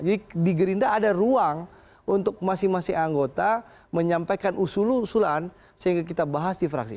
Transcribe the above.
jadi di gerindra ada ruang untuk masing masing anggota menyampaikan usul usulan sehingga kita bahas di fraksi